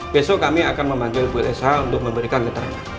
besok kami akan memanggil bu elsa untuk memberikan keterangan